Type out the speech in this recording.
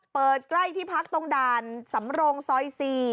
ใกล้ที่พักตรงด่านสำรงซอย๔